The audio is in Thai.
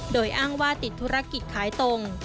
โดยอ้างว่าติดธุรกิจขายตรง